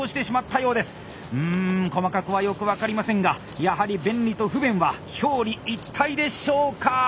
うん細かくはよく分かりませんがやはり便利と不便は表裏一体でしょうか？